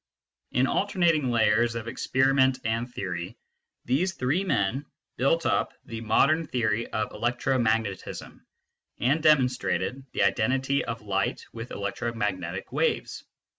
In alternating layers of experiment and theory these three men built up the modern theory of electromagnetism, and demonstrated the identity of light with electromagnetic waves.